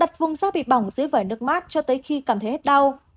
đặt vùng da bị bỏng dưới vải nước mát cho tới khi cảm thấy hết đau